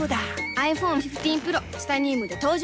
ｉＰｈｏｎｅ１５Ｐｒｏ チタニウムで登場